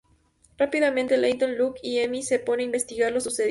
Rápidamente, Layton, Luke y Emmy se ponen a investigar lo sucedido.